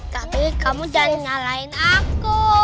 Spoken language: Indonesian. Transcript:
tapi kamu jangan nyalain aku